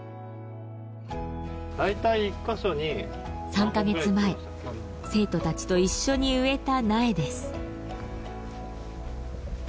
３カ月前生徒たちと一緒に植えた苗です。